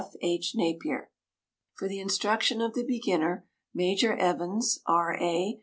F. H. Napier. For the instruction of the beginner, Major Evans, R.A.